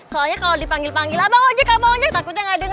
soalnya kalau dipanggil panggil abang ojek takutnya gak denger